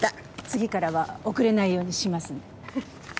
次からは遅れないようにします。